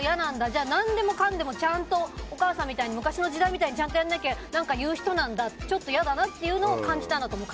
じゃあ、何でもかんでもお母さんみたいに昔の時代みたいにちゃんとやんなきゃ何か言う人なんだちょっと嫌だなっていうのを感じたんだと思う。